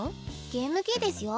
ゲーム機ですよ。